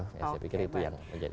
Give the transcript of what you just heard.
saya pikir itu yang menjadi